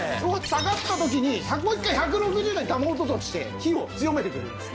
下がった時にもう一回１６０度に保とうとして火を強めてくれるんです。